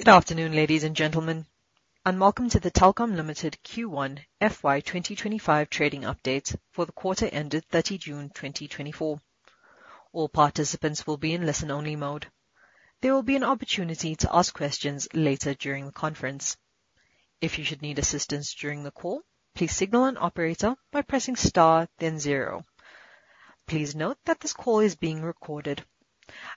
Good afternoon, ladies and gentlemen, and welcome to the Telkom Limited Q1 FY 2025 trading updates for the quarter ended 30th June 2024. All participants will be in listen-only mode. There will be an opportunity to ask questions later during the conference. If you should need assistance during the call, please signal an operator by pressing star, then zero. Please note that this call is being recorded.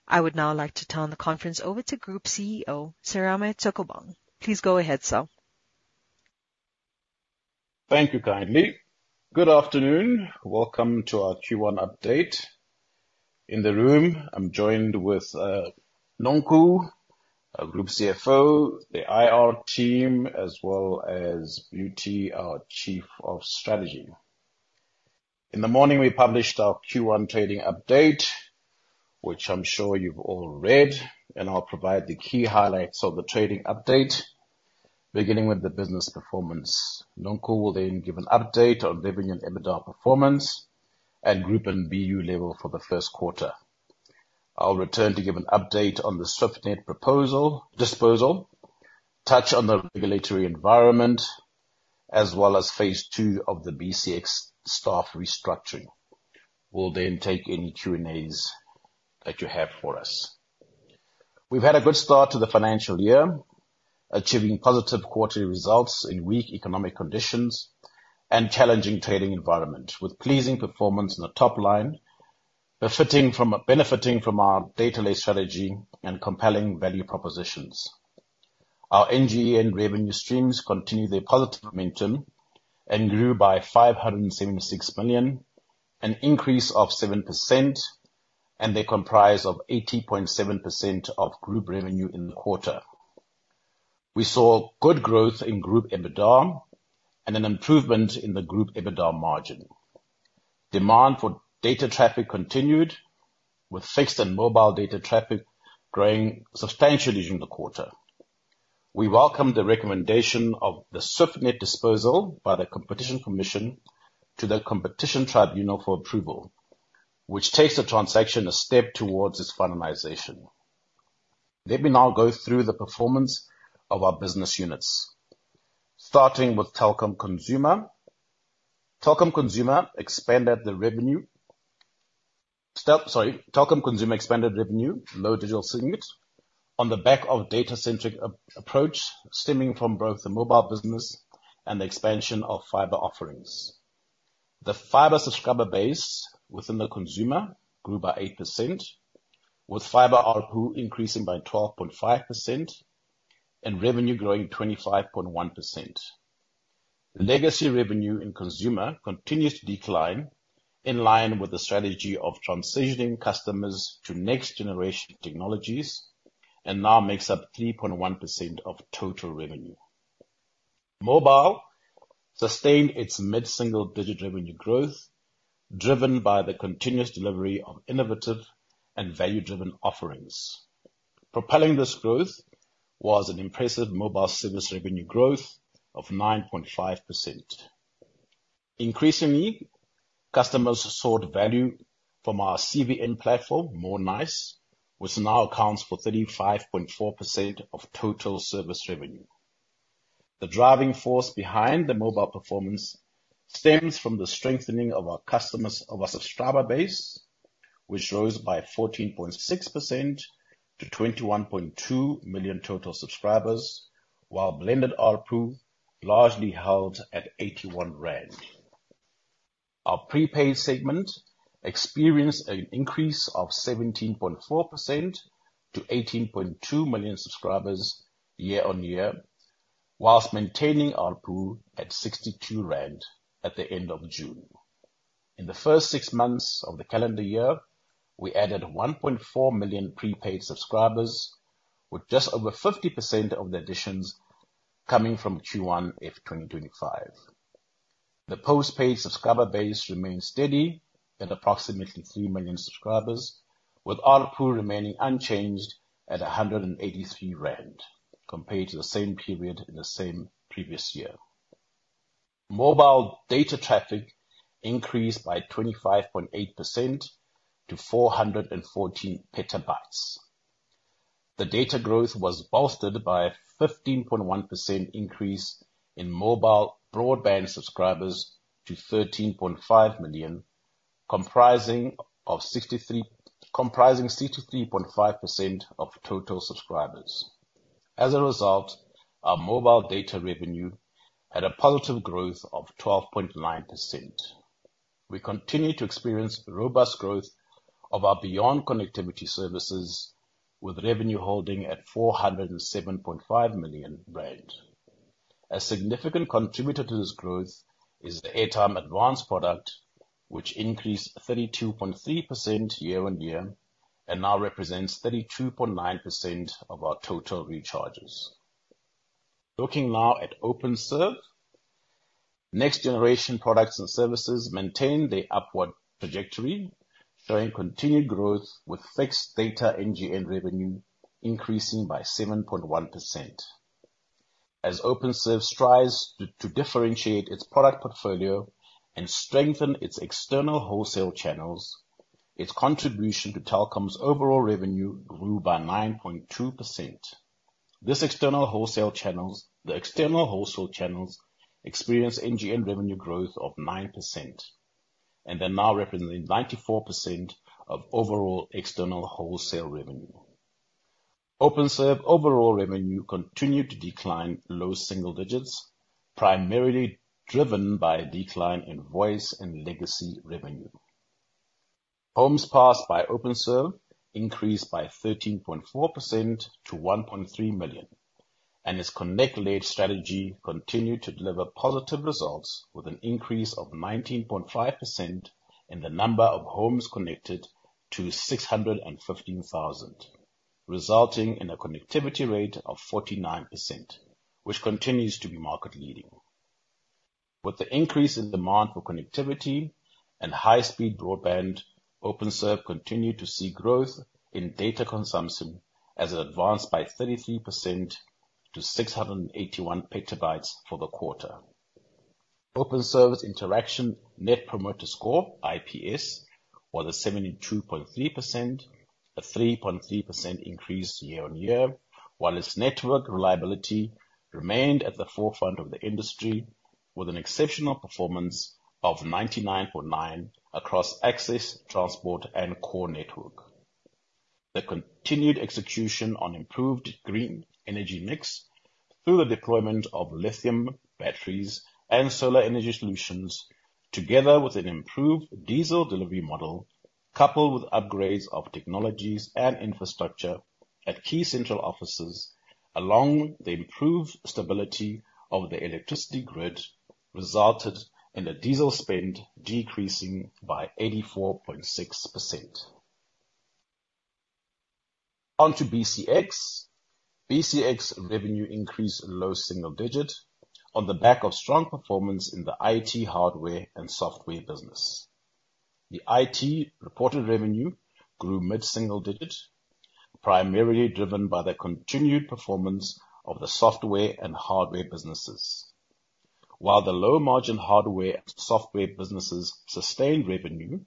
I would now like to turn the conference over to Group CEO, Serame Taukobong. Please go ahead, sir. Thank you kindly. Good afternoon. Welcome to our Q1 update. In the room, I'm joined with Nonkul, Group CFO, the IR team, as well as Beauty, our Chief of Strategy. In the morning, we published our Q1 trading update, which I'm sure you've all read, and I'll provide the key highlights of the trading update, beginning with the business performance. Nonkul will then give an update on revenue and EBITDA performance and Group and BU level for the first quarter. I'll return to give an update on the Swiftnet disposal, touch on the regulatory environment, as well as phase II of the BCX staff restructuring. We'll then take any Q&As that you have for us. We've had a good start to the financial year, achieving positive quarterly results in weak economic conditions and challenging trading environment, with pleasing performance in the top line, benefiting from our data-led strategy and compelling value propositions. Our NGN revenue streams continue their positive momentum and grew by 576 million, an increase of 7%, and they comprise 80.7% of group revenue in the quarter. We saw good growth in group EBITDA and an improvement in the group EBITDA margin. Demand for data traffic continued, with fixed and mobile data traffic growing substantially during the quarter. We welcome the recommendation of the Swiftnet disposal by the Competition Commission to the Competition Tribunal for approval, which takes the transaction a step towards its finalization. Let me now go through the performance of our business units, starting with Telkom Consumer. Telkom Consumer expanded the revenue. Sorry. Telkom Consumer expanded revenue low single-digit, on the back of a data-centric approach stemming from both the mobile business and the expansion of fiber offerings. The fiber subscriber base within the consumer grew by 8%, with fiber ARPU increasing by 12.5% and revenue growing 25.1%. Legacy revenue in consumer continues to decline in line with the strategy of transitioning customers to next-generation technologies and now makes up 3.1% of total revenue. Mobile sustained its mid-single-digit revenue growth, driven by the continuous delivery of innovative and value-driven offerings. Propelling this growth was an impressive mobile service revenue growth of 9.5%. Increasingly, customers sought value from our CVM platform, Mo'Nice, which now accounts for 35.4% of total service revenue. The driving force behind the mobile performance stems from the strengthening of our subscriber base, which rose by 14.6% to 21.2 million total subscribers, while blended ARPU largely held at 81 rand. Our prepaid segment experienced an increase of 17.4% to 18.2 million subscribers year-on-year, while maintaining ARPU at 62 rand at the end of June. In the first six months of the calendar year, we added 1.4 million prepaid subscribers, with just over 50% of the additions coming from Q1 F2025. The postpaid subscriber base remained steady at approximately 3 million subscribers, with ARPU remaining unchanged at 183 rand compared to the same period in the same previous year. Mobile data traffic increased by 25.8% to 414 PB. The data growth was bolstered by a 15.1% increase in mobile broadband subscribers to 13.5 million, comprising 63.5% of total subscribers. As a result, our mobile data revenue had a positive growth of 12.9%. We continue to experience robust growth of our beyond connectivity services, with revenue holding at 407.5 million rand. A significant contributor to this growth is the Airtime Advance product, which increased 32.3% year-on-year and now represents 32.9% of our total recharges. Looking now at Openserve, next-generation products and services maintain their upward trajectory, showing continued growth, with fixed data NGN revenue increasing by 7.1%. As Openserve strives to differentiate its product portfolio and strengthen its external wholesale channels, its contribution to Telkom's overall revenue grew by 9.2%. The external wholesale channels experience NGN revenue growth of 9%, and they're now representing 94% of overall external wholesale revenue. Openserve overall revenue continued to decline low single digits, primarily driven by a decline in voice and legacy revenue. Homes passed by Openserve increased by 13.4% to 1.3 million, and its connect-led strategy continued to deliver positive results, with an increase of 19.5% in the number of homes connected to 615,000, resulting in a connectivity rate of 49%, which continues to be market-leading. With the increase in demand for connectivity and high-speed broadband, Openserve continued to see growth in data consumption as it advanced by 33% to 681 petabytes for the quarter. Openserve's Interaction Net Promoter Score (iNPS) was 72.3%, a 3.3% increase year-on-year, while its network reliability remained at the forefront of the industry, with an exceptional performance of 99.9% across access, transport, and core network. The continued execution on improved green energy mix through the deployment of lithium batteries and solar energy solutions, together with an improved diesel delivery model, coupled with upgrades of technologies and infrastructure at key central offices, along with the improved stability of the electricity grid, resulted in the diesel spend decreasing by 84.6%. On to BCX. BCX revenue increased low single digit on the back of strong performance in the IT hardware and software business. The IT reported revenue grew mid-single digit, primarily driven by the continued performance of the software and hardware businesses. While the low-margin hardware and software businesses sustained revenue,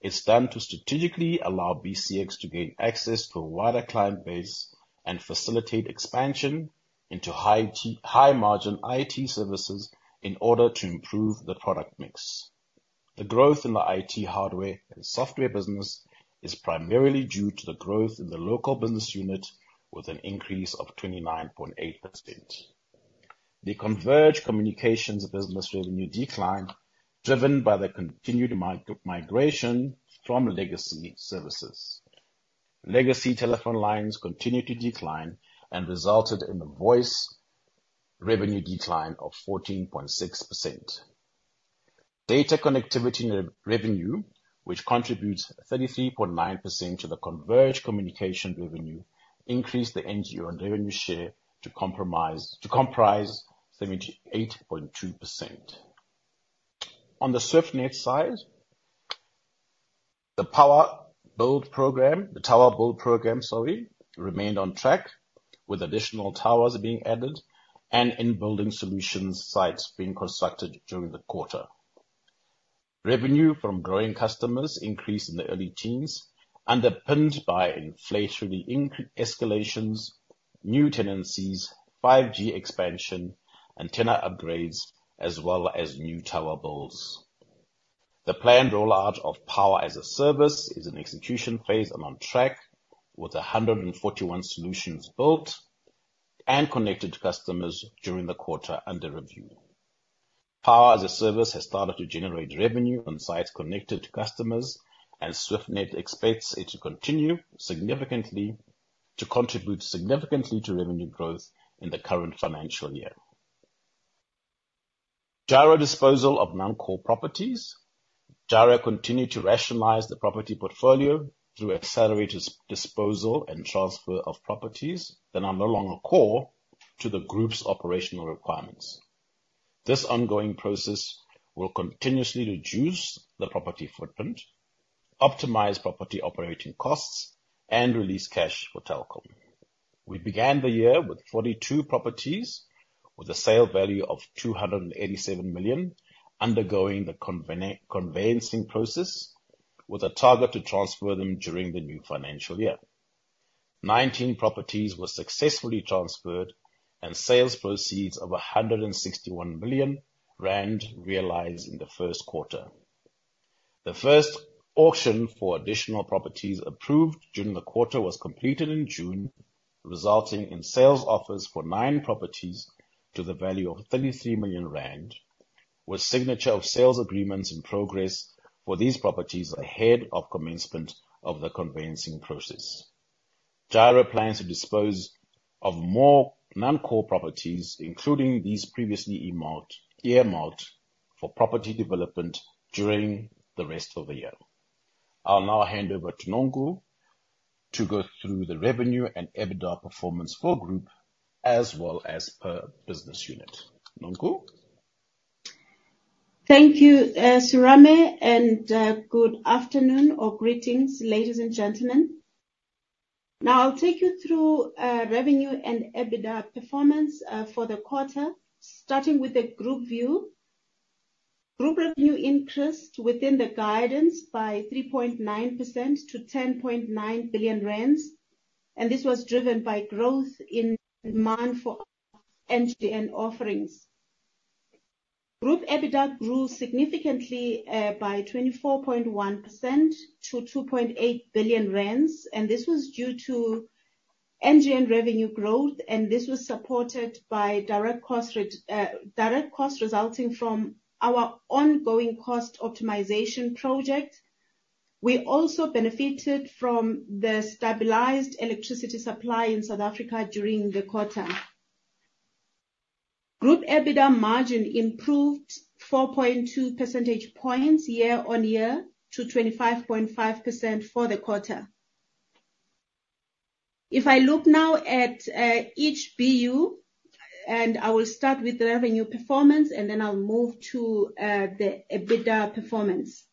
it's time to strategically allow BCX to gain access to a wider client base and facilitate expansion into high-margin IT services in order to improve the product mix. The growth in the IT hardware and software business is primarily due to the growth in the local business unit, with an increase of 29.8%. The Converged Communications business revenue declined, driven by the continued migration from legacy services. Legacy telephone lines continued to decline and resulted in the voice revenue decline of 14.6%. Data connectivity revenue, which contributes 33.9% to the converged communication revenue, increased the NGN and revenue share to comprise 78.2%. On the Swiftnet side, the Tower Build Program remained on track, with additional towers being added and in-building solutions sites being constructed during the quarter. Revenue from growing customers increased in the early teens, underpinned by inflationary escalations, new tenancies, 5G expansion, antenna upgrades, as well as new tower builds. The planned rollout of Power as a Service is in execution phase and on track, with 141 solutions built and connected to customers during the quarter under review. Power as a Service has started to generate revenue on sites connected to customers, and Swiftnet expects it to continue to contribute significantly to revenue growth in the current financial year. Gyro disposal of non-core properties. Gyro continued to rationalize the property portfolio through accelerated disposal and transfer of properties that are no longer core to the group's operational requirements. This ongoing process will continuously reduce the property footprint, optimize property operating costs, and release cash for Telkom. We began the year with 42 properties with a sale value of 287 million, undergoing the conveyancing process with a target to transfer them during the new financial year. 19 properties were successfully transferred, and sales proceeds of 161 million rand realized in the first quarter. The first auction for additional properties approved during the quarter was completed in June, resulting in sales offers for 9 properties to the value of 33 million rand, with signature of sales agreements in progress for these properties ahead of commencement of the conveyancing process. Gyro plans to dispose of more non-core properties, including these previously earmarked for property development during the rest of the year. I'll now hand over to Nonkul to go through the revenue and EBITDA performance for group as well as per business unit. Nonkul. Thank you, Serame, and good afternoon or greetings, ladies and gentlemen. Now, I'll take you through revenue and EBITDA performance for the quarter, starting with the group view. Group revenue increased within the guidance by 3.9% to 10.9 billion rand, and this was driven by growth in demand for NGN offerings. Group EBITDA grew significantly by 24.1% to 2.8 billion rand, and this was due to NGN revenue growth, and this was supported by direct costs resulting from our ongoing cost optimization project. We also benefited from the stabilized electricity supply in South Africa during the quarter. Group EBITDA margin improved 4.2 percentage points year-on-year to 25.5% for the quarter. If I look now at each BU, and I will start with revenue performance, and then I'll move to the EBITDA performance.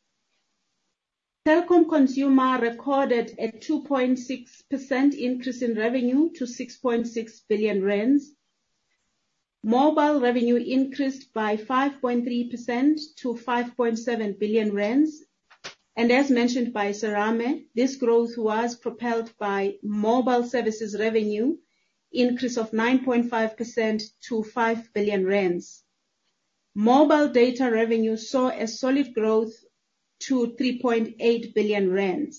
Telkom Consumer recorded a 2.6% increase in revenue to 6.6 billion rand. Mobile revenue increased by 5.3% to 5.7 billion rand, and as mentioned by Serame, this growth was propelled by mobile services revenue increase of 9.5% to 5 billion rand. Mobile data revenue saw a solid growth to 3.8 billion rand.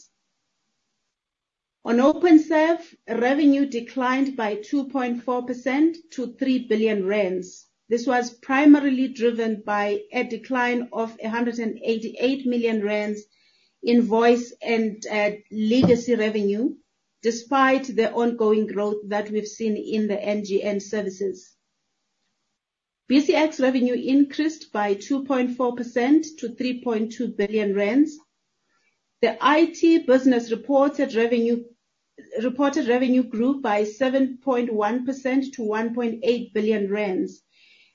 On Openserve, revenue declined by 2.4% to 3 billion rand. This was primarily driven by a decline of 188 million rand in voice and legacy revenue, despite the ongoing growth that we've seen in the NGN services. BCX revenue increased by 2.4% to 3.2 billion rand. The IT business reported revenue grew by 7.1% to 1.8 billion rand,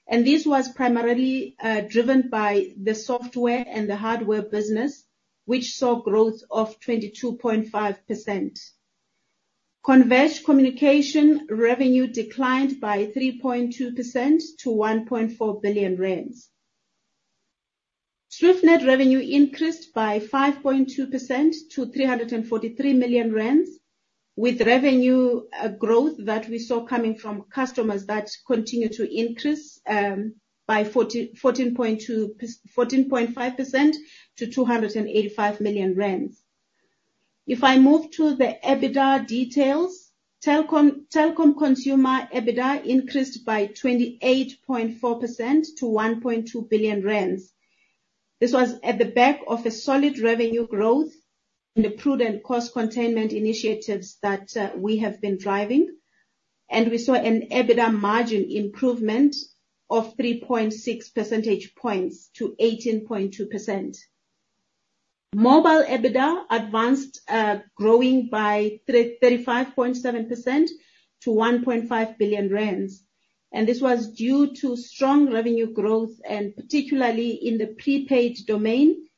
and this was primarily driven by the software and the hardware business, which saw growth of 22.5%. Converged communication revenue declined by 3.2% to 1.4 billion rand. Swiftnet revenue increased by 5.2% to 343 million rand, with revenue growth that we saw coming from customers that continued to increase by 14.5% to 285 million rand. If I move to the EBITDA details, Telkom Consumer EBITDA increased by 28.4% to 1.2 billion rand. This was at the back of a solid revenue growth and the prudent cost containment initiatives that we have been driving, and we saw an EBITDA margin improvement of 3.6 percentage points to 18.2%. Mobile EBITDA advanced, growing by 35.7% to 1.5 billion rand, and this was due to strong revenue growth, particularly in the prepaid domain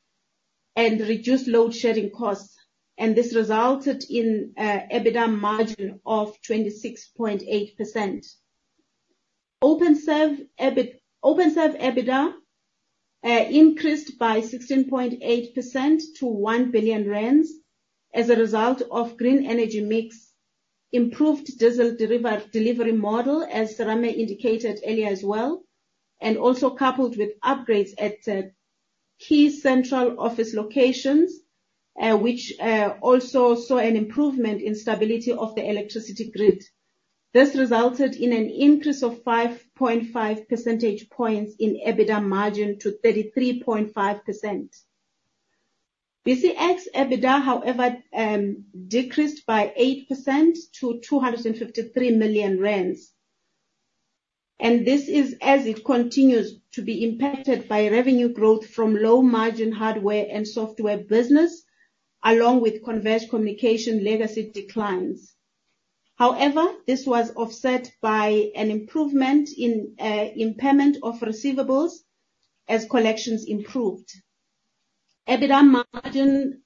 and reduced load-sharing costs, and this resulted in an EBITDA margin of 26.8%. Openserve EBITDA increased by 16.8% to 1 billion rand as a result of green energy mix improved diesel delivery model, as Serame indicated earlier as well, and also coupled with upgrades at key central office locations, which also saw an improvement in stability of the electricity grid. This resulted in an increase of 5.5 percentage points in EBITDA margin to 33.5%. BCX EBITDA, however, decreased by 8% to 253 million rand, and this is as it continues to be impacted by revenue growth from low-margin hardware and software business, along with converged communication legacy declines. However, this was offset by an improvement in payment of receivables as collections improved. EBITDA margin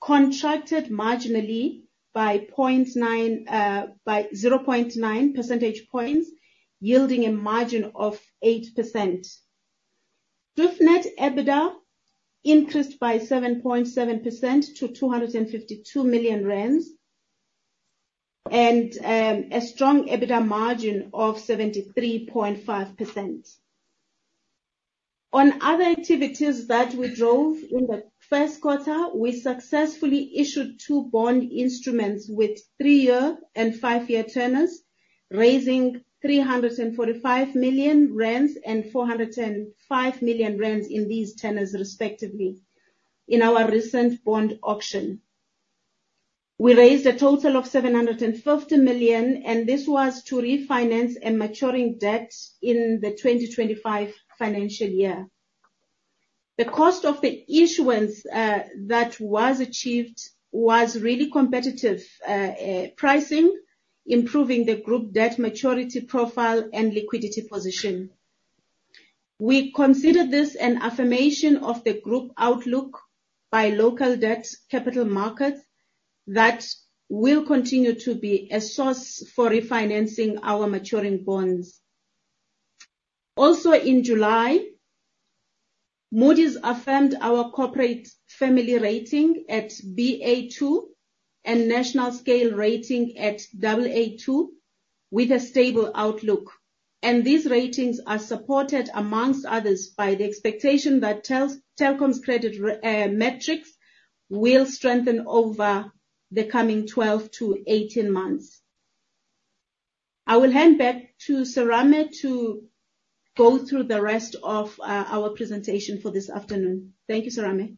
contracted marginally by 0.9 percentage points, yielding a margin of 8%. Swiftnet EBITDA increased by 7.7% to 252 million rand and a strong EBITDA margin of 73.5%. On other activities that we drove in the first quarter, we successfully issued two bond instruments with three-year and five-year tenors, raising 345 million rand and 415 million rand in these tenors, respectively, in our recent bond auction. We raised a total of 750 million, and this was to refinance a maturing debt in the 2025 financial year. The cost of the issuance that was achieved was really competitive pricing, improving the group debt maturity profile and liquidity position. We consider this an affirmation of the group outlook by local debt capital markets that will continue to be a source for refinancing our maturing bonds. Also, in July, Moody's affirmed our corporate family rating at Ba2 and national scale rating at Aa2, with a stable outlook, and these ratings are supported, among others, by the expectation that Telkom's credit metrics will strengthen over the coming 12-18 months. I will hand back to Serame to go through the rest of our presentation for this afternoon. Thank you, Serame.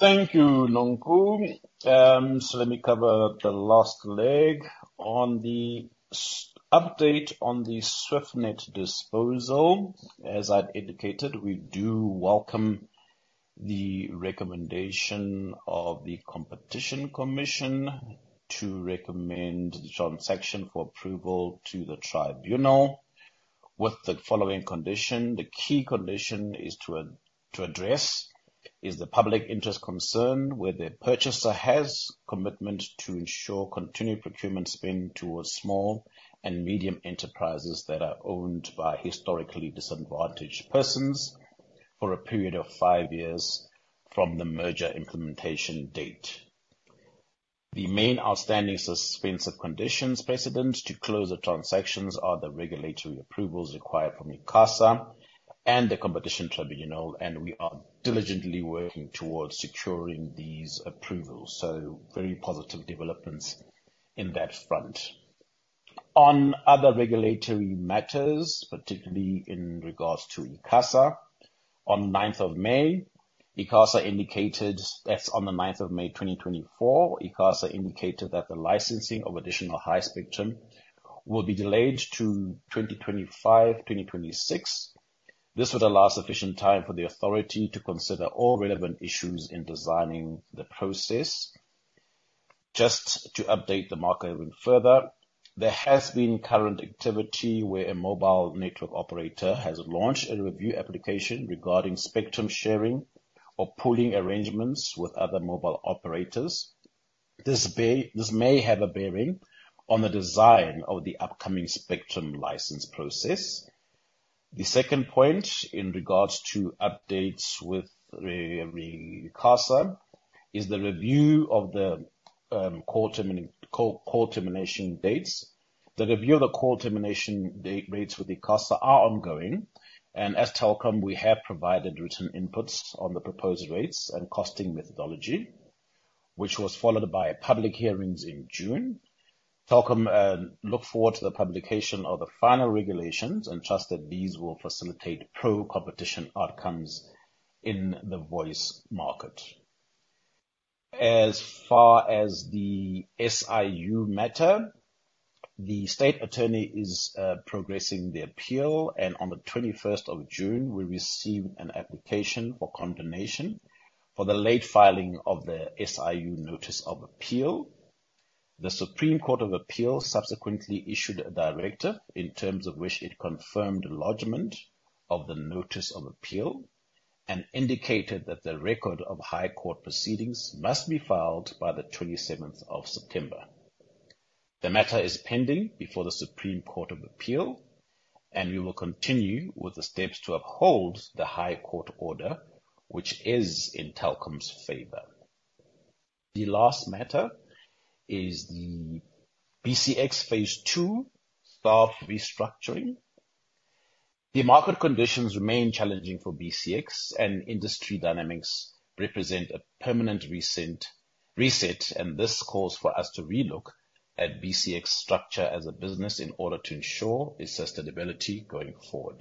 Thank you, Nonkululeko. So, let me cover the last leg on the update on the Swiftnet disposal. As I'd indicated, we do welcome the recommendation of the Competition Commission to recommend the transaction for approval to the Tribunal with the following condition. The key condition is to address the public interest concern where the purchaser has a commitment to ensure continued procurement spend towards small and medium enterprises that are owned by historically disadvantaged persons for a period of five years from the merger implementation date. The main outstanding suspensive conditions precedent to close the transactions are the regulatory approvals required from ICASA and the Competition Tribunal, and we are diligently working towards securing these approvals. So, very positive developments in that front. On other regulatory matters, particularly in regards to ICASA, on the 9th of May 2024, ICASA indicated that the licensing of additional high spectrum will be delayed to 2025-2026. This would allow sufficient time for the authority to consider all relevant issues in designing the process. Just to update the market a bit further, there has been current activity where a mobile network operator has launched a review application regarding spectrum sharing or pooling arrangements with other mobile operators. This may have a bearing on the design of the upcoming spectrum license process. The second point in regards to updates with ICASA is the review of the call termination dates. The review of the call termination rates with ICASA are ongoing, and as Telkom, we have provided written inputs on the proposed rates and costing methodology, which was followed by public hearings in June. Telkom looks forward to the publication of the final regulations and trusts that these will facilitate pro-competition outcomes in the voice market. As far as the SIU matter, the State Attorney is progressing the appeal, and on the 21st of June, we received an application for condonation for the late filing of the SIU notice of appeal. The Supreme Court of Appeal subsequently issued a directive in terms of which it confirmed the lodgement of the notice of appeal and indicated that the record of High Court proceedings must be filed by the 27th of September. The matter is pending before the Supreme Court of Appeal, and we will continue with the steps to uphold the High Court order, which is in Telkom's favor. The last matter is the BCX phase II staff restructuring. The market conditions remain challenging for BCX, and industry dynamics represent a permanent reset, and this calls for us to relook at BCX structure as a business in order to ensure its sustainability going forward.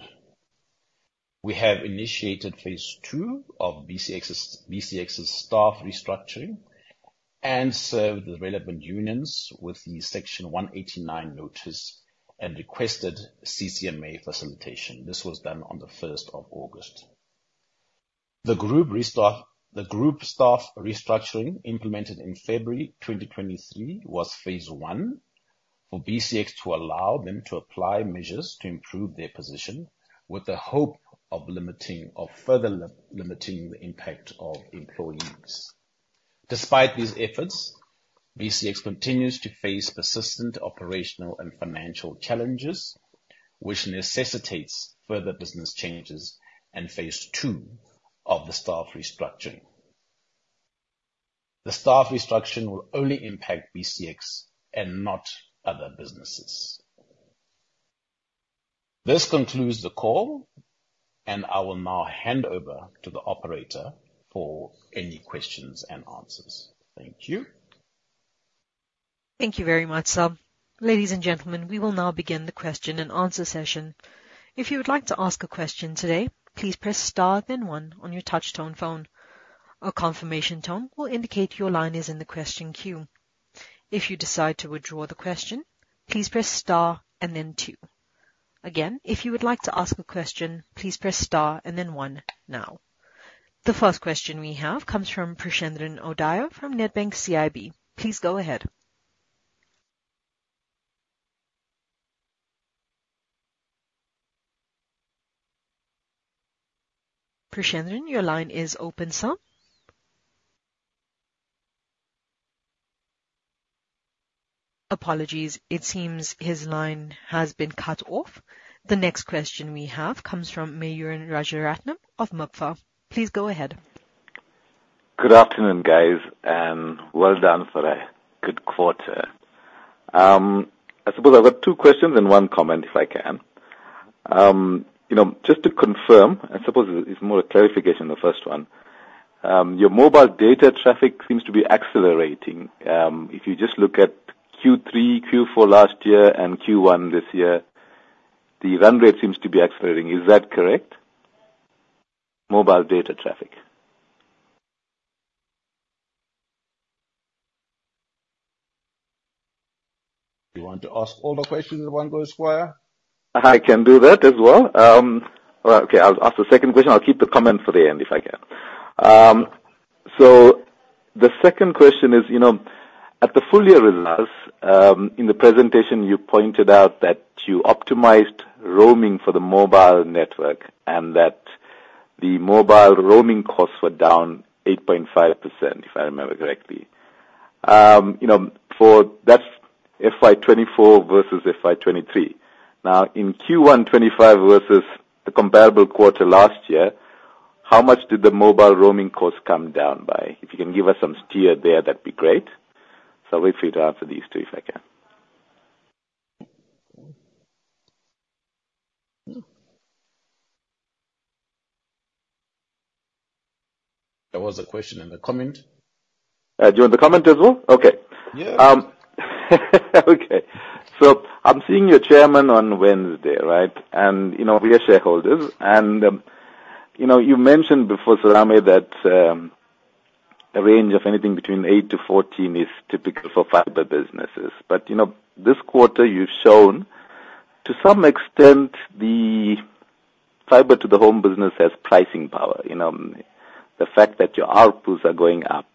We have initiated phase II of BCX's staff restructuring and served the relevant unions with the Section 189 notice and requested CCMA facilitation. This was done on the 1st of August. The group staff restructuring implemented in February 2023 was phase I for BCX to allow them to apply measures to improve their position with the hope of further limiting the impact of employees. Despite these efforts, BCX continues to face persistent operational and financial challenges, which necessitates further business changes and phase II of the staff restructuring. The staff restructuring will only impact BCX and not other businesses. This concludes the call, and I will now hand over to the operator for any questions and answers. Thank you. Thank you very much. Ladies and gentlemen, we will now begin the question and answer session. If you would like to ask a question today, please press star then one on your touch-tone phone. A confirmation tone will indicate your line is in the question queue. If you decide to withdraw the question, please press star and then two. Again, if you would like to ask a question, please press star and then one now. The first question we have comes from Preshendran Odayar from Nedbank CIB. Please go ahead. Preshendran, your line is open sir. Apologies, it seems his line has been cut off. The next question we have comes from Myuran Rajaratnam of Mergence. Please go ahead. Good afternoon, guys, and well done for a good quarter. I suppose I've got two questions and one comment, if I can. Just to confirm, I suppose it's more a clarification, the first one. Your mobile data traffic seems to be accelerating. If you just look at Q3, Q4 last year, and Q1 this year, the run rate seems to be accelerating. Is that correct? Mobile data traffic. Do you want to ask all the questions in one go square? I can do that as well. Okay, I'll ask the second question. I'll keep the comment for the end, if I can. So the second question is, at the full year results, in the presentation, you pointed out that you optimized roaming for the mobile network and that the mobile roaming costs were down 8.5%, if I remember correctly. For that FY2024 versus FY2023, now in Q1 2025 versus the comparable quarter last year, how much did the mobile roaming costs come down by? If you can give us some steer there, that'd be great. So I'll wait for you to answer these two, if I can. There was a question in the comment. Do you want the comment as well? Okay. Yeah. Okay. So I'm seeing your chairman on Wednesday, right? And we are shareholders. And you mentioned before, Serame, that a range of anything between 8-14 is typical for fiber businesses. But this quarter, you've shown, to some extent, the fiber-to-the-home business has pricing power. The fact that your outputs are going up,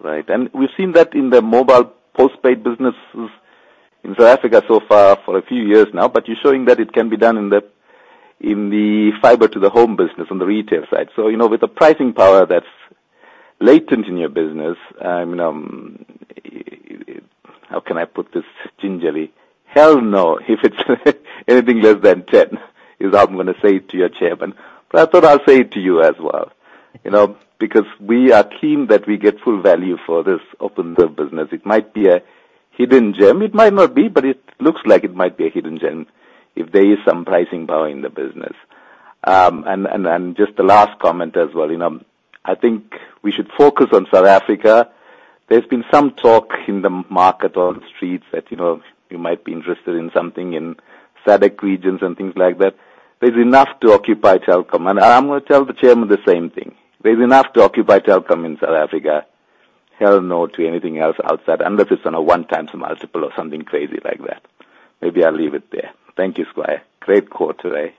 right? And we've seen that in the mobile postpaid businesses in South Africa so far for a few years now, but you're showing that it can be done in the fiber-to-the-home business on the retail side. So with the pricing power that's latent in your business, how can I put this gingerly? Hell no. If it's anything less than 10 is how I'm going to say it to your chairman. I thought I'll say it to you as well because we are keen that we get full value for this Openserve business. It might be a hidden gem. It might not be, but it looks like it might be a hidden gem if there is some pricing power in the business. Just the last comment as well. I think we should focus on South Africa. There's been some talk in the market on the streets that you might be interested in something in SADC regions and things like that. There's enough to occupy Telkom. I'm going to tell the chairman the same thing. There's enough to occupy Telkom in South Africa. Hell no to anything else outside, unless it's on a one-time multiple or something crazy like that. Maybe I'll leave it there. Thank you, Serame. Great quarter today.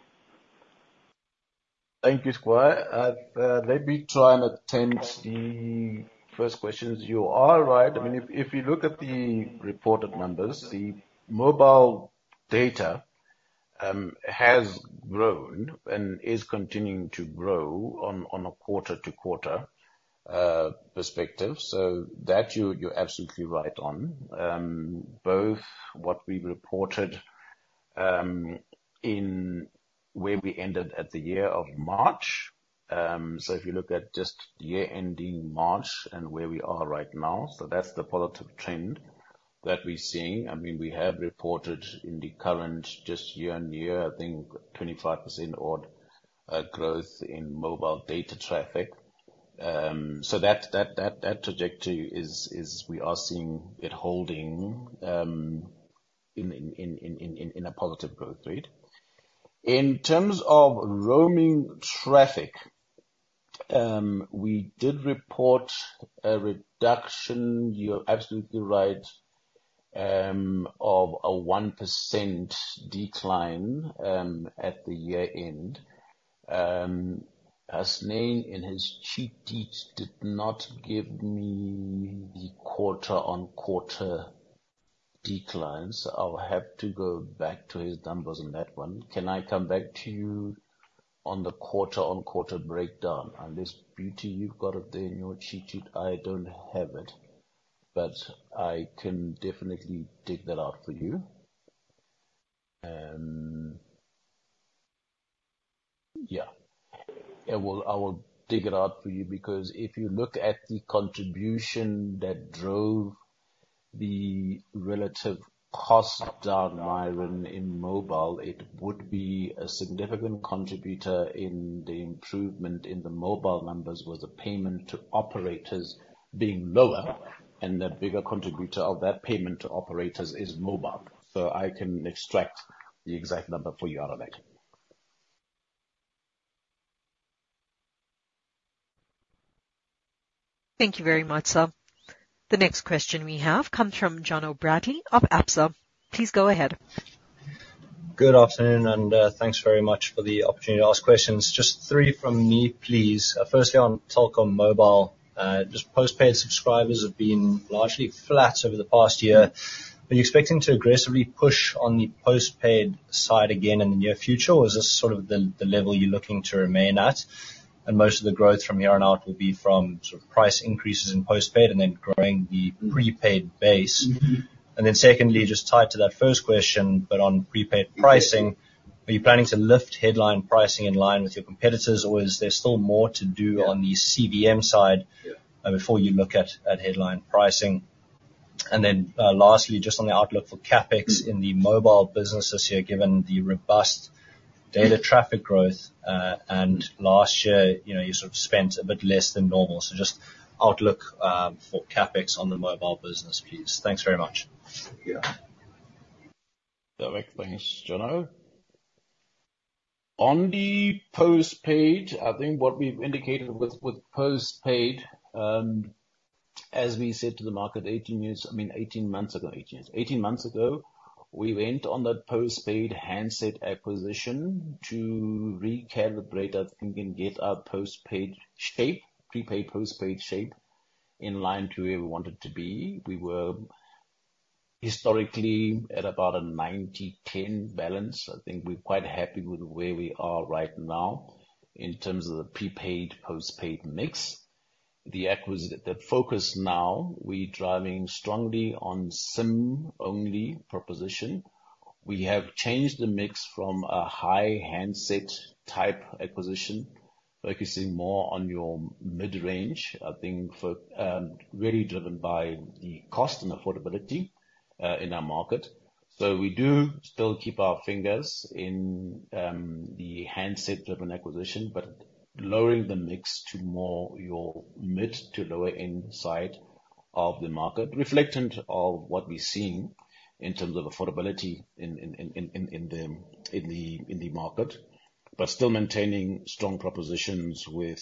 Thank you, Myuran. Let me try and attempt the first questions. You are right. I mean, if you look at the reported numbers, the mobile data has grown and is continuing to grow on a quarter-over-quarter perspective. So that you're absolutely right on. Both what we reported in where we ended at the year of March. So if you look at just year-ending March and where we are right now, so that's the positive trend that we're seeing. I mean, we have reported in the current just year-end year, I think 25% odd growth in mobile data traffic. So that trajectory is we are seeing it holding in a positive growth rate. In terms of roaming traffic, we did report a reduction. You're absolutely right of a 1% decline at the year-end. Hasnain in his cheat sheet did not give me the quarter-over-quarter declines. I'll have to go back to his numbers on that one. Can I come back to you on the quarter-on-quarter breakdown? And this beauty you've got up there in your cheat sheet, I don't have it, but I can definitely dig that out for you. Yeah. I will dig it out for you because if you look at the contribution that drove the relative cost down, Myuran, in mobile, it would be a significant contributor in the improvement in the mobile numbers with the payment to operators being lower, and the bigger contributor of that payment to operators is mobile. So I can extract the exact number for you out of it. Thank you very much. The next question we have comes from Jono Bradley of Absa. Please go ahead. Good afternoon, and thanks very much for the opportunity to ask questions. Just three from me, please. Firstly, on Telkom Mobile, just postpaid subscribers have been largely flat over the past year. Are you expecting to aggressively push on the postpaid side again in the near future, or is this sort of the level you're looking to remain at? Most of the growth from here on out will be from sort of price increases in postpaid and then growing the prepaid base. Secondly, just tied to that first question, but on prepaid pricing, are you planning to lift headline pricing in line with your competitors, or is there still more to do on the CVM side before you look at headline pricing? Lastly, just on the outlook for CapEx in the mobile business this year, given the robust data traffic growth, and last year, you sort of spent a bit less than normal. So just outlook for CapEx on the mobile business, please. Thanks very much. Yeah. Perfect. Thanks, Jono. On the postpaid, I think what we've indicated with postpaid, as we said to the market, 18 years—I mean, 18 months ago. 18 months ago, we went on that postpaid handset acquisition to recalibrate, I think, and get our postpaid shape, prepaid postpaid shape in line to where we wanted to be. We were historically at about a 90/10 balance. I think we're quite happy with where we are right now in terms of the prepaid/postpaid mix. The focus now, we're driving strongly on SIM-only proposition. We have changed the mix from a high handset type acquisition, focusing more on your mid-range, I think, really driven by the cost and affordability in our market. So we do still keep our fingers in the handset-driven acquisition, but lowering the mix to more your mid to lower-end side of the market, reflecting what we're seeing in terms of affordability in the market, but still maintaining strong propositions with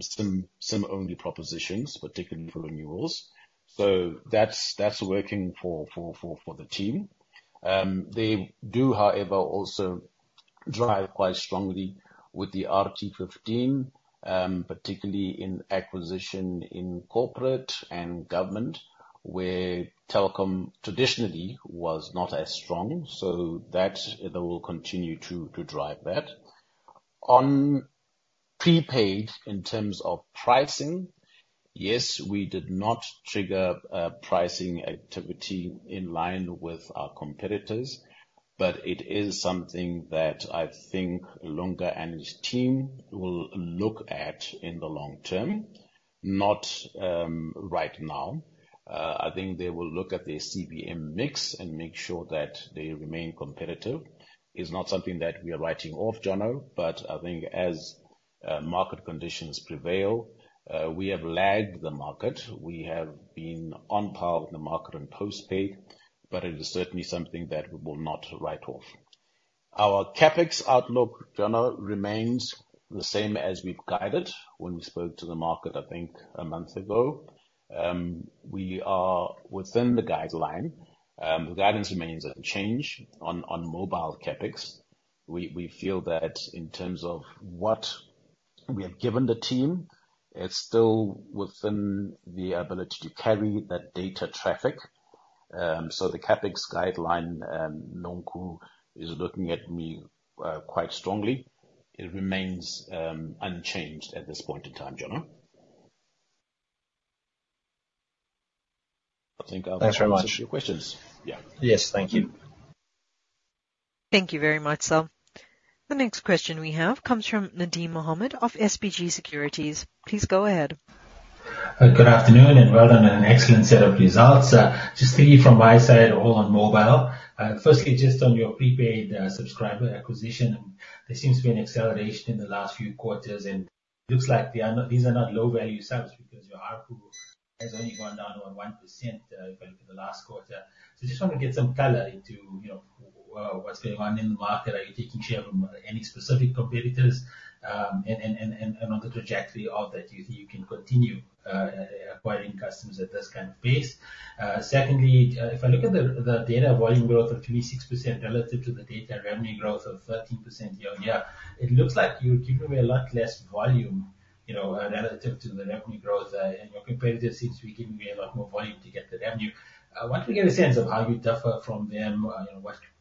SIM-only propositions, particularly for renewables. So that's working for the team. They do, however, also drive quite strongly with the RT15, particularly in acquisition in corporate and government, where Telkom traditionally was not as strong. So that will continue to drive that. On prepaid in terms of pricing, yes, we did not trigger pricing activity in line with our competitors, but it is something that I think Lunga and his team will look at in the long term, not right now. I think they will look at their CVM mix and make sure that they remain competitive. It's not something that we are writing off, Jono, but I think as market conditions prevail, we have lagged the market. We have been on par with the market on postpaid, but it is certainly something that we will not write off. Our CapEx outlook, Jono, remains the same as we've guided when we spoke to the market, I think, a month ago. We are within the guideline. The guidance remains unchanged on mobile CapEx. We feel that in terms of what we have given the team, it's still within the ability to carry that data traffic. So the CapEx guideline, Nonkul, is looking at me quite strongly. It remains unchanged at this point in time, Jono. I think I'll answer your questions. Thanks very much. Yeah. Yes, thank you. Thank you very much. The next question we have comes from Nadim Mohamed of SBG Securities. Please go ahead. Good afternoon and well done. An excellent set of results. Just three from my side, all on mobile. Firstly, just on your prepaid subscriber acquisition, there seems to be an acceleration in the last few quarters, and it looks like these are not low-value subs because your output has only gone down to 1% over the last quarter. So I just want to get some color into what's going on in the market. Are you taking share from any specific competitors? And on the trajectory of that, do you think you can continue acquiring customers at this kind of pace? Secondly, if I look at the data volume growth of 26% relative to the data revenue growth of 13% year-on-year, it looks like you're giving away a lot less volume relative to the revenue growth, and your competitors seem to be giving away a lot more volume to get the revenue. I want to get a sense of how you differ from them. What could you be doing differently in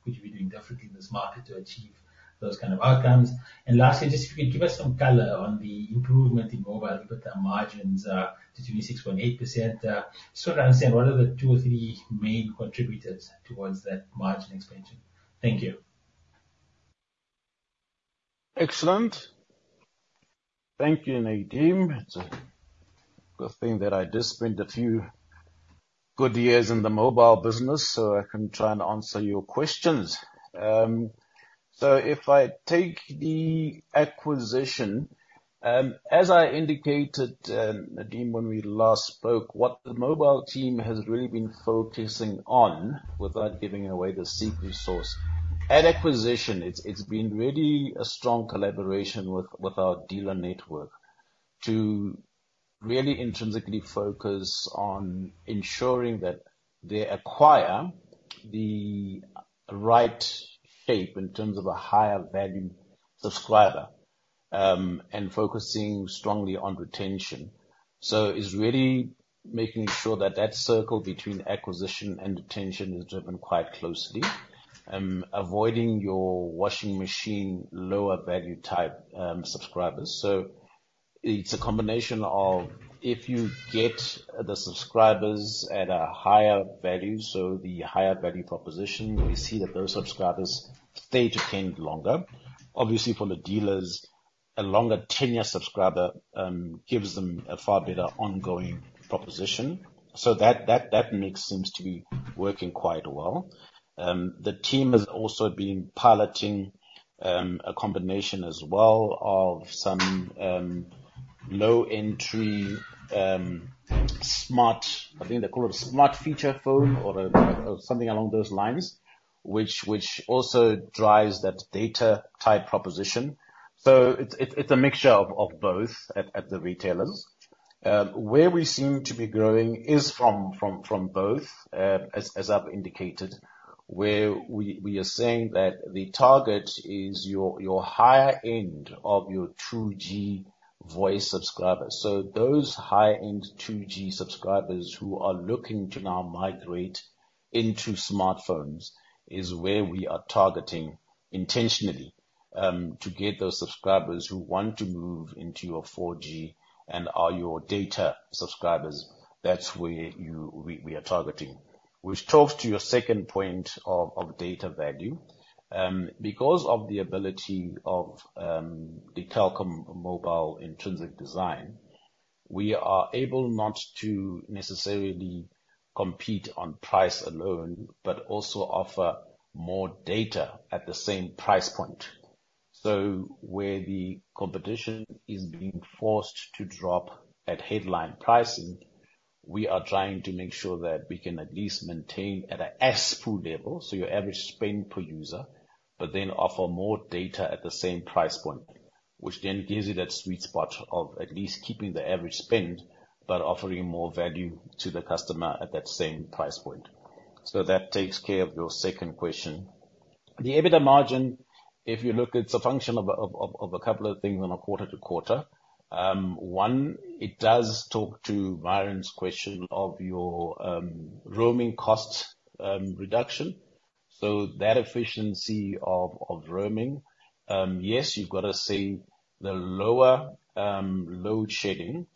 this market to achieve those kind of outcomes? And lastly, just if you could give us some color on the improvement in mobile margins to 26.8%, just want to understand what are the two or three main contributors towards that margin expansion. Thank you. Excellent. Thank you, Nadim. It's a good thing that I just spent a few good years in the mobile business, so I can try and answer your questions. So if I take the acquisition, as I indicated, Nadim, when we last spoke, what the mobile team has really been focusing on, without giving away the secret sauce at acquisition, it's been really a strong collaboration with our dealer network to really intrinsically focus on ensuring that they acquire the right shape in terms of a higher-value subscriber and focusing strongly on retention. It's really making sure that that circle between acquisition and retention is driven quite closely, avoiding your washing machine lower-value type subscribers. It's a combination of if you get the subscribers at a higher value, so the higher-value proposition, we see that those subscribers tend to stay longer. Obviously, for the dealers, a longer tenure subscriber gives them a far better ongoing proposition. That mix seems to be working quite well. The team is also being piloting a combination as well of some low-entry smart—I think they call it a smart feature phone or something along those lines—which also drives that data-type proposition. So it's a mixture of both at the retailers. Where we seem to be growing is from both, as I've indicated, where we are saying that the target is your higher-end of your 2G voice subscribers. So those higher-end 2G subscribers who are looking to now migrate into smartphones is where we are targeting intentionally to get those subscribers who want to move into your 4G and are your data subscribers. That's where we are targeting, which talks to your second point of data value. Because of the ability of the Telkom Mobile intrinsic design, we are able not to necessarily compete on price alone, but also offer more data at the same price point. So where the competition is being forced to drop at headline pricing, we are trying to make sure that we can at least maintain at an ARPU level, so your average spend per user, but then offer more data at the same price point, which then gives you that sweet spot of at least keeping the average spend but offering more value to the customer at that same price point. So that takes care of your second question. The EBITDA margin, if you look at it, it's a function of a couple of things on a quarter-to-quarter. One, it does talk to Myuran's question of your roaming cost reduction. So that efficiency of roaming, yes, you've got to say the lower load shedding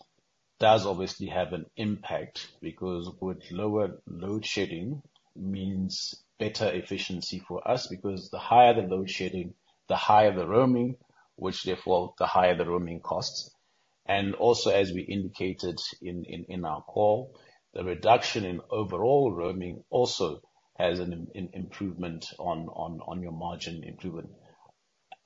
does obviously have an impact because with lower load shedding means better efficiency for us because the higher the load shedding, the higher the roaming, which therefore the higher the roaming costs. And also, as we indicated in our call, the reduction in overall roaming also has an improvement on your margin improvement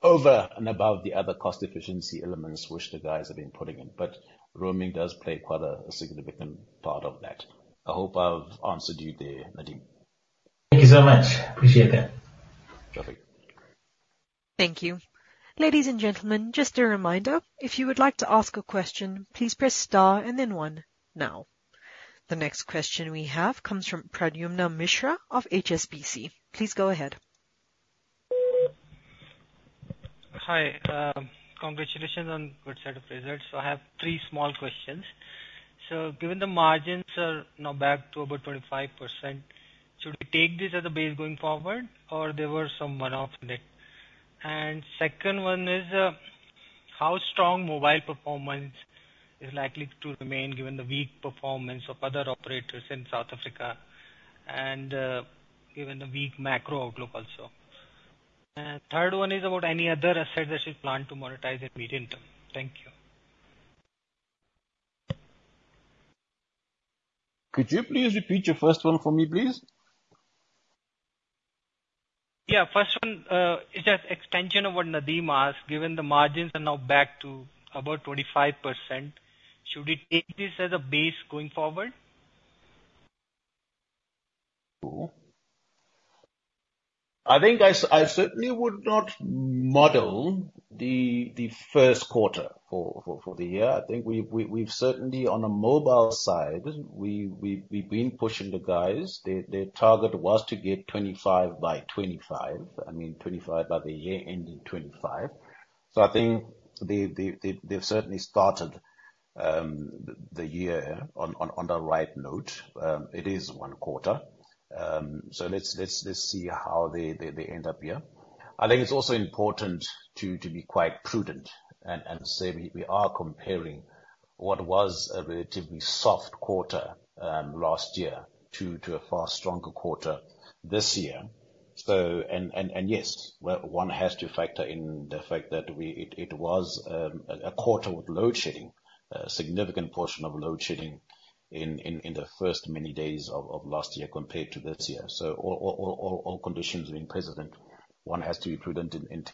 over and above the other cost efficiency elements which the guys have been putting in. But roaming does play quite a significant part of that. I hope I've answered you there, Nadim. Thank you so much. Appreciate that. Perfect. Thank you. Ladies and gentlemen, just a reminder, if you would like to ask a question, please press star and then one now. The next question we have comes from Pradyumna Mishra of HSBC. Please go ahead. Hi. Congratulations on good set of results. So I have three small questions. Given the margins are now back to about 25%, should we take this as a base going forward, or there were some one-offs in it? And second one is how strong mobile performance is likely to remain given the weak performance of other operators in South Africa and given the weak macro outlook also? And third one is about any other asset that you plan to monetize in medium term. Thank you. Could you please repeat your first one for me, please? Yeah. First one is just extension of what Nadim asked. Given the margins are now back to about 25%, should we take this as a base going forward? I think I certainly would not model the first quarter for the year. I think we've certainly, on the mobile side, we've been pushing the guys. Their target was to get 25 by 25, I mean, 25 by the year ending 2025. So I think they've certainly started the year on the right note. It is one quarter. So let's see how they end up here. I think it's also important to be quite prudent and say we are comparing what was a relatively soft quarter last year to a far stronger quarter this year. And yes, one has to factor in the fact that it was a quarter with load shedding, a significant portion of load shedding in the first many days of last year compared to this year. So all conditions being present, one has to be prudent in taking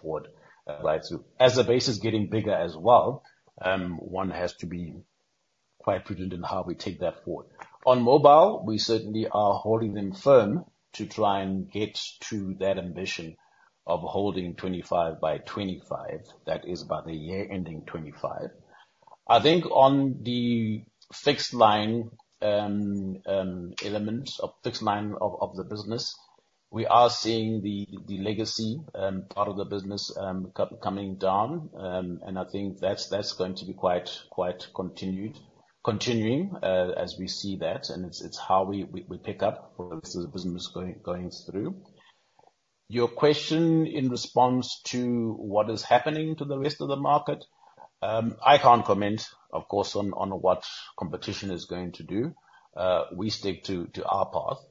forward. As the base is getting bigger as well, one has to be quite prudent in how we take that forward. On mobile, we certainly are holding them firm to try and get to that ambition of holding 25 by 25. That is by the year ending 2025. I think on the fixed line elements of fixed line of the business, we are seeing the legacy part of the business coming down. I think that's going to be quite continuing as we see that. It's how we pick up the business going through. Your question in response to what is happening to the rest of the market, I can't comment, of course, on what competition is going to do. We stick to our path.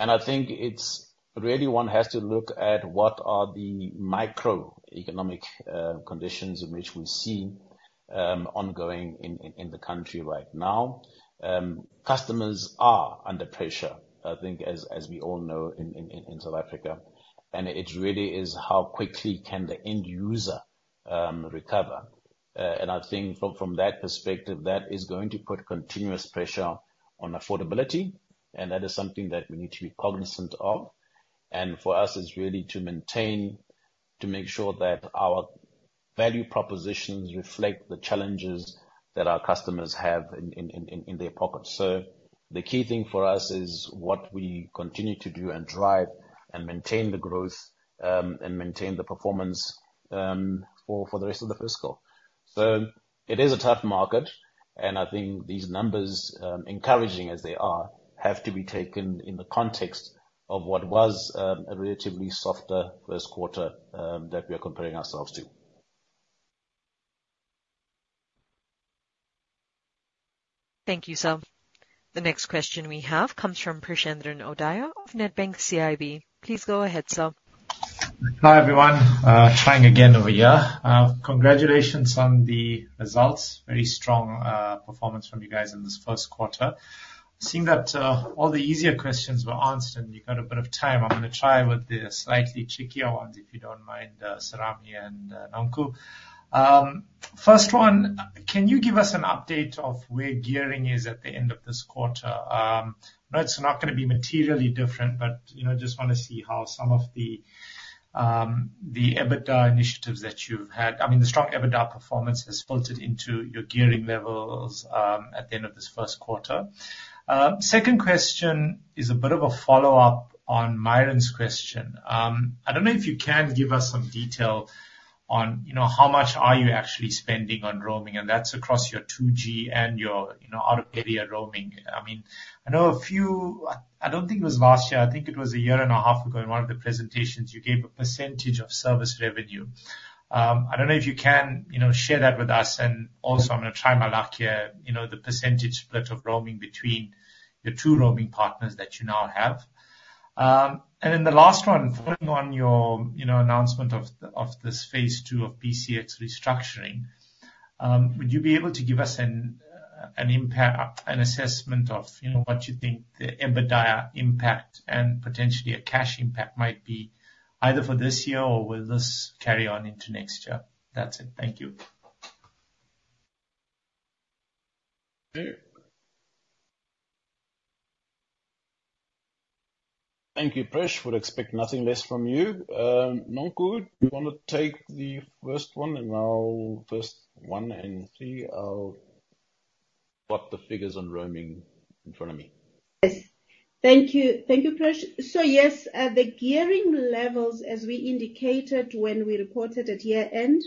I think it's really one has to look at what are the microeconomic conditions in which we see ongoing in the country right now. Customers are under pressure, I think, as we all know in South Africa. And it really is how quickly can the end user recover? And I think from that perspective, that is going to put continuous pressure on affordability. And that is something that we need to be cognizant of. And for us, it's really to maintain, to make sure that our value propositions reflect the challenges that our customers have in their pocket. So the key thing for us is what we continue to do and drive and maintain the growth and maintain the performance for the rest of the fiscal. So it is a tough market. And I think these numbers, encouraging as they are, have to be taken in the context of what was a relatively softer first quarter that we are comparing ourselves to. Thank you, sir. The next question we have comes from Preshendran Odayar of Nedbank CIB. Please go ahead, sir. Hi everyone. Trying again over here. Congratulations on the results. Very strong performance from you guys in this first quarter. Seeing that all the easier questions were answered and you got a bit of time, I'm going to try with the slightly trickier ones, if you don't mind, Serame and Nonkululeko. First one, can you give us an update of where gearing is at the end of this quarter? It's not going to be materially different, but I just want to see how some of the EBITDA initiatives that you've had, I mean, the strong EBITDA performance has filtered into your gearing levels at the end of this first quarter. Second question is a bit of a follow-up on Myuran's question. I don't know if you can give us some detail on how much are you actually spending on roaming, and that's across your 2G and your out-of-area roaming. I mean, I know a few. I don't think it was last year. I think it was a year and a half ago in one of the presentations, you gave a percentage of service revenue. I don't know if you can share that with us. And also, I'm going to try my luck here, the percentage split of roaming between your two roaming partners that you now have. And then the last one, following on your announcement of this phase II of BCX restructuring, would you be able to give us an assessment of what you think the EBITDA impact and potentially a cash impact might be either for this year or will this carry on into next year? That's it. Thank you. Thank you, Prash. Would expect nothing less from you. Nonkul, do you want to take the first one? I'll first one and see what the figures on roaming in front of me. Yes. Thank you, Prash. So yes, the gearing levels, as we indicated when we reported at year-end,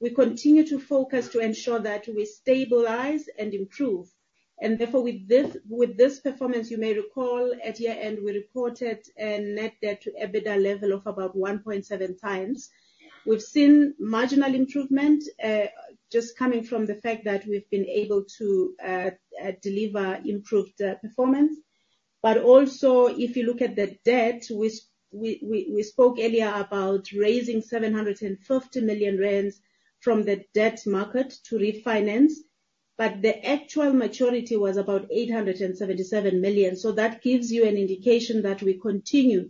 we continue to focus to ensure that we stabilize and improve. And therefore, with this performance, you may recall at year-end, we reported a net debt to EBITDA level of about 1.7 times. We've seen marginal improvement just coming from the fact that we've been able to deliver improved performance. But also, if you look at the debt, we spoke earlier about raising 750 million rand from the debt market to refinance, but the actual maturity was about 877 million. So that gives you an indication that we continue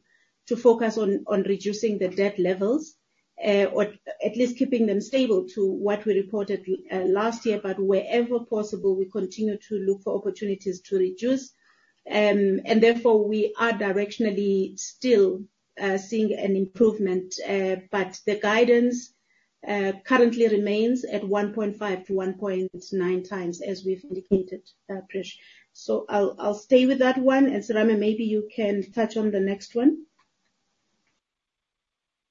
to focus on reducing the debt levels, or at least keeping them stable to what we reported last year. But wherever possible, we continue to look for opportunities to reduce. Therefore, we are directionally still seeing an improvement, but the guidance currently remains at 1.5-1.9 times, as we've indicated, Prash. So I'll stay with that one. And Serame, maybe you can touch on the next one.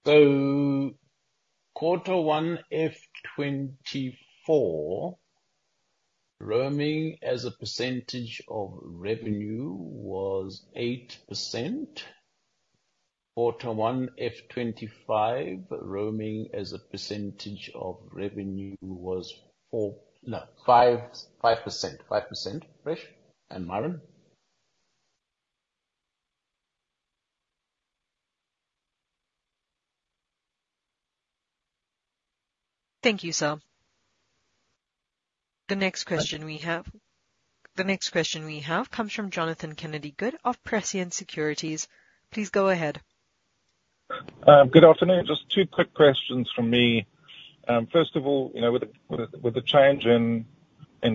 So quarter one, FY24, roaming as a percentage of revenue was 8%. Quarter one, FY25, roaming as a percentage of revenue was 5%. 5%, Prash and Myuran. Thank you, sir. The next question we have comes from Jonathan Kennedy-Good of Prescient Securities. Please go ahead. Good afternoon. Just two quick questions from me. First of all, with the change in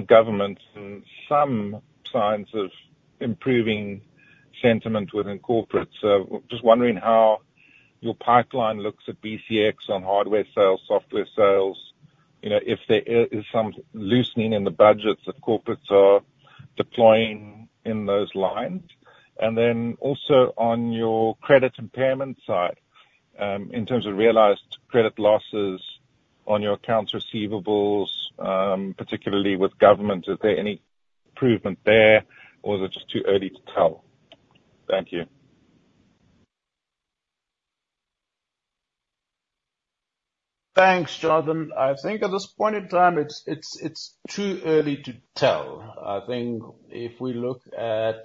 government and some signs of improving sentiment within corporates, just wondering how your pipeline looks at BCX on hardware sales, software sales, if there is some loosening in the budgets that corporates are deploying in those lines. And then also on your credit impairment side, in terms of realized credit losses on your accounts receivables, particularly with government, is there any improvement there, or is it just too early to tell? Thank you. Thanks, Jonathan. I think at this point in time, it's too early to tell. I think if we look at,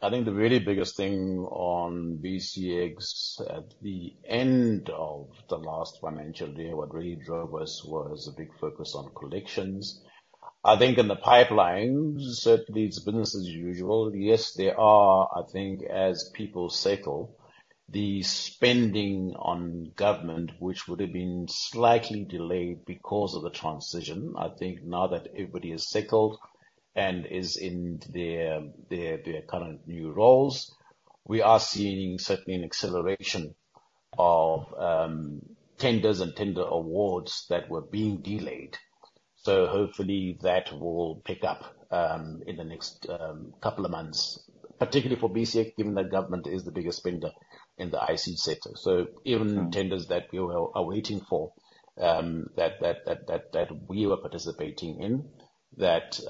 I think the very biggest thing on BCX at the end of the last financial year, what really drove us was a big focus on collections. I think in the pipeline, certainly it's business as usual. Yes, there are, I think, as people settle, the spending on government, which would have been slightly delayed because of the transition. I think now that everybody has settled and is in their current new roles, we are seeing certainly an acceleration of tenders and tender awards that were being delayed. So hopefully that will pick up in the next couple of months, particularly for BCX, given that government is the biggest spender in the IC sector. So even tenders that we are waiting for, that we were participating in, that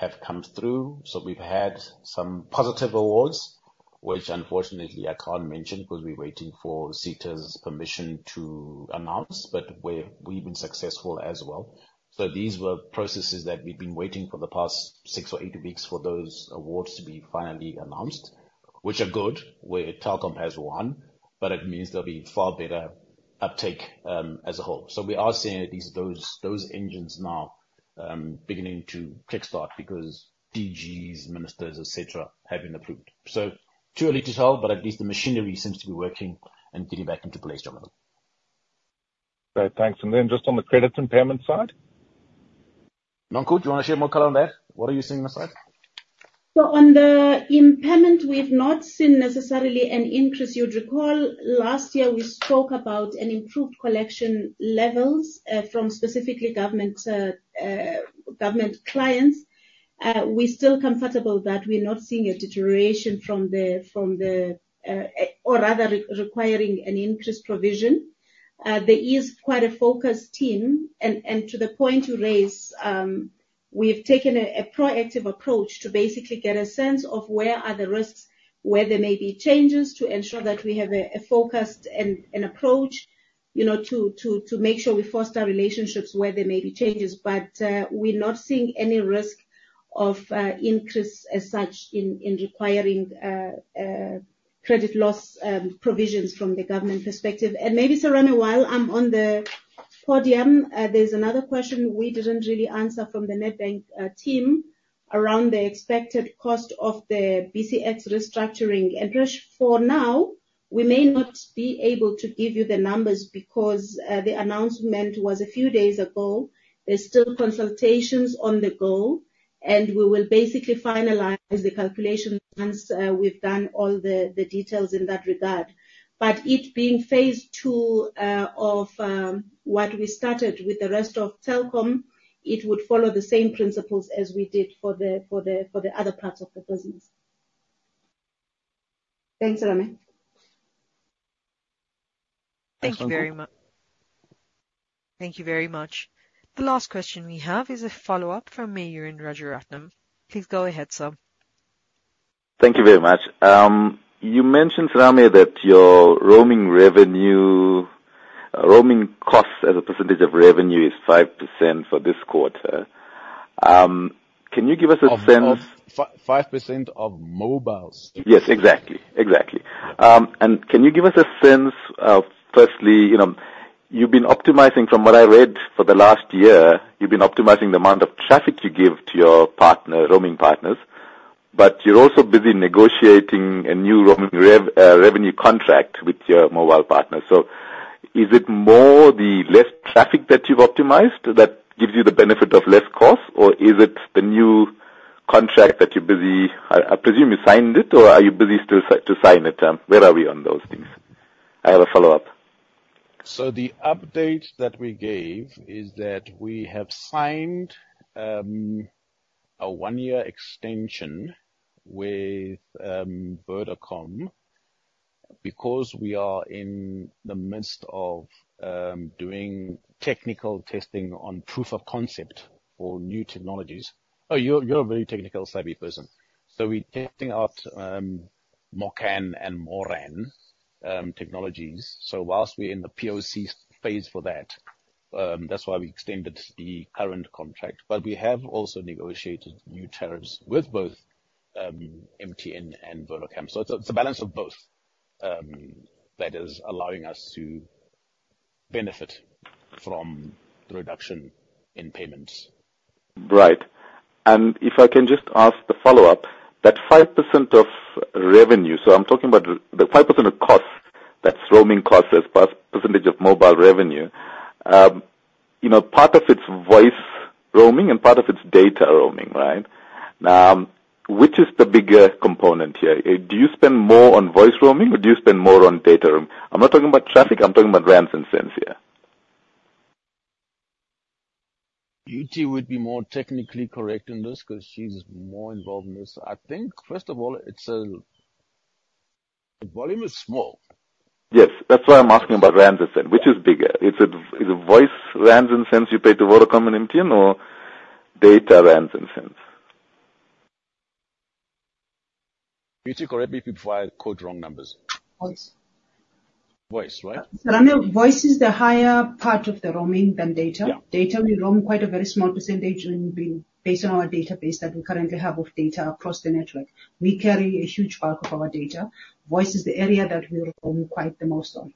have come through. So we've had some positive awards, which unfortunately I can't mention because we're waiting for SITA's permission to announce, but we've been successful as well. So these were processes that we've been waiting for the past six or eight weeks for those awards to be finally announced, which are good. Telkom has won, but it means there'll be far better uptake as a whole. So we are seeing those engines now beginning to kickstart because DGs, ministers, etc., have been approved. So too early to tell, but at least the machinery seems to be working and getting back into place generally. Right. Thanks. Just on the credit impairment side. Nonkul, do you want to share more color on that? What are you seeing on the side? So on the impairment, we've not seen necessarily an increase. You'd recall last year we spoke about an improved collection levels from specifically government clients. We're still comfortable that we're not seeing a deterioration from the, or rather requiring an increased provision. There is quite a focused team. And to the point you raise, we've taken a proactive approach to basically get a sense of where are the risks, where there may be changes to ensure that we have a focused approach to make sure we foster relationships where there may be changes. But we're not seeing any risk of increase as such in requiring credit loss provisions from the government perspective. And maybe, Serame, while I'm on the podium, there's another question we didn't really answer from the Nedbank team around the expected cost of the BCX restructuring. Prash, for now, we may not be able to give you the numbers because the announcement was a few days ago. There's still consultations on the go, and we will basically finalize the calculations once we've done all the details in that regard. But it being phase II of what we started with the rest of Telkom, it would follow the same principles as we did for the other parts of the business. Thanks, Serame. Thank you very much. Thank you very much. The last question we have is a follow-up from Myuran Rajaratnam. Please go ahead, sir. Thank you very much. You mentioned, Serame, that your roaming revenue, roaming costs as a percentage of revenue is 5% for this quarter. Can you give us a sense? 5% of mobiles. Yes, exactly. Exactly. And can you give us a sense of, firstly, you've been optimizing from what I read for the last year, you've been optimizing the amount of traffic you give to your roaming partners, but you're also busy negotiating a new roaming revenue contract with your mobile partners. So is it more the less traffic that you've optimized that gives you the benefit of less cost, or is it the new contract that you're busy? I presume you signed it, or are you busy still to sign it? Where are we on those things? I have a follow-up. So the update that we gave is that we have signed a one-year extension with Vodacom because we are in the midst of doing technical testing on proof of concept for new technologies. Oh, you're a very tech-savvy person. So we're testing out MOCN and MORAN technologies. So whilst we're in the POC phase for that, that's why we extended the current contract. But we have also negotiated new tariffs with both MTN and Vodacom. So it's a balance of both that is allowing us to benefit from the reduction in payments. Right. And if I can just ask the follow-up, that 5% of revenue, so I'm talking about the 5% of costs, that's roaming costs, as percentage of mobile revenue, part of it's voice roaming and part of it's data roaming, right? Now, which is the bigger component here? Do you spend more on voice roaming, or do you spend more on data roaming? I'm not talking about traffic. I'm talking about rands and cents here. Beauty would be more technically correct in this because she's more involved in this. I think, first of all, the volume is small. Yes. That's why I'm asking about rands and cents, which is bigger. Is it voice rands and cents you pay to Vodacom and MTN, or data rands and cents? Beauty could probably be quite wrong numbers. Voice, right? Serame, voice is the higher part of the roaming than data. Data we roam quite a very small percentage based on our database that we currently have of data across the network. We carry a huge bulk of our data. Voice is the area that we roam quite the most on.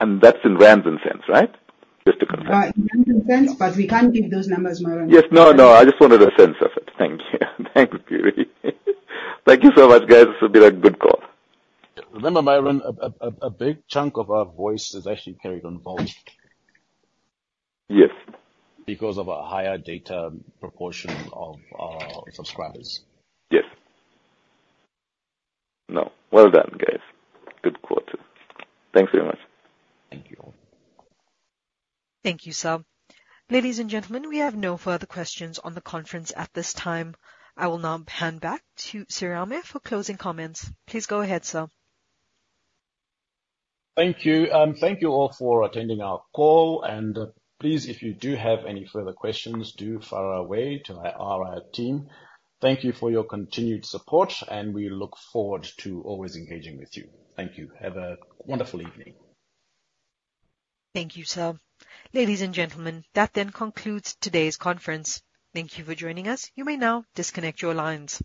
And that's in rands and cents, right? Just to confirm. Right. In rands and cents, but we can't give those numbers, Myuran. Yes. No, no. I just wanted a sense of it. Thank you. Thank you. Thank you so much, guys. This has been a good call. Remember, Myuran, a big chunk of our voice is actually carried on volume. Yes. Because of a higher data proportion of our subscribers. Yes. No. Well done, guys. Good quarter. Thanks very much. Thank you all. Thank you, sir. Ladies and gentlemen, we have no further questions on the conference at this time. I will now hand back to Serame for closing comments. Please go ahead, sir. Thank you. Thank you all for attending our call. And please, if you do have any further questions, do fire away to our team. Thank you for your continued support, and we look forward to always engaging with you. Thank you. Have a wonderful evening. Thank you, sir. Ladies and gentlemen, that then concludes today's conference. Thank you for joining us. You may now disconnect your lines.